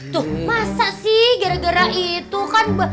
tuh masa sih gara gara itu kan